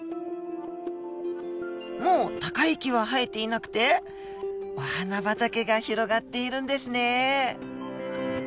もう高い木は生えていなくてお花畑が広がっているんですね。